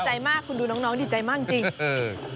โอ้โฮดีใจมากคุณดูน้องดีใจมากจริง